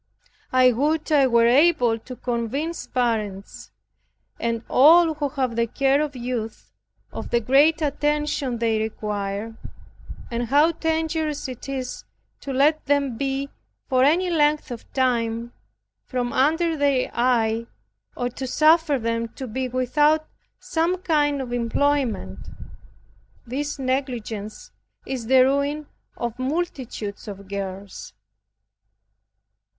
I would I were able to convince parents, and all who have the care of youth, of the great attention they require, and how dangerous it is to let them be for any length of time from under their eye, or to suffer them to be without some kind of employment. This negligence is the ruin of multitudes of girls.